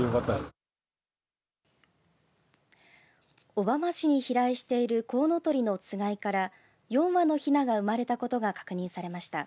小浜市に飛来しているコウノトリのつがいから４羽のひなが生まれたことが確認されました。